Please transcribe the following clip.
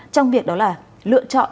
trong việc đó là lựa chọn